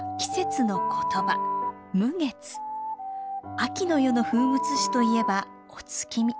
秋の夜の風物詩といえばお月見。